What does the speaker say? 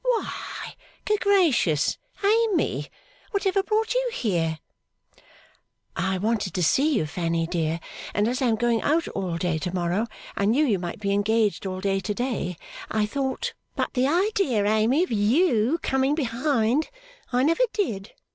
'Why, good gracious, Amy, what ever brought you here?' 'I wanted to see you, Fanny dear; and as I am going out all day to morrow, and knew you might be engaged all day to day, I thought ' 'But the idea, Amy, of you coming behind! I never did!